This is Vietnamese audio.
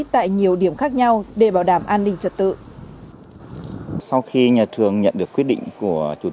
tại khu nhà ở sinh viên mỹ đình